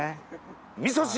みそ汁？